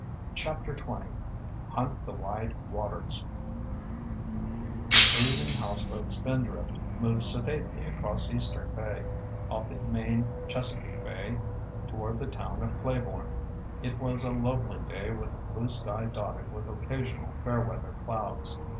CHAPTER XX Hunt the Wide Waters The cruising houseboat Spindrift moved sedately across Eastern Bay, off the main Chesapeake Bay, toward the town of Claiborne. It was a lovely day with a blue sky dotted with occasional fair weather clouds.